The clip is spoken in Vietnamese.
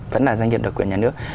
vẫn là doanh nghiệp độc quyền nhà nước